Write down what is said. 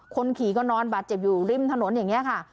คนขี่ก็นอนบาดเจ็บอยู่ริมถนนอย่างนี้ค่ะ